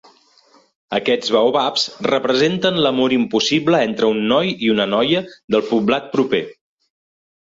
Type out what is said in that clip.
Aquests baobabs representen l'amor impossible entre un noi i una noia del poblat proper.